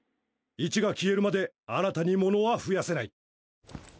１が消えるまで新たにモノは増やせない